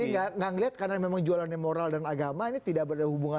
orang jadi gak ngeliat karena memang jualannya moral dan agama ini tidak berhubungannya dengan